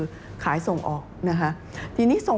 ประกอบกับต้นทุนหลักที่เพิ่มขึ้น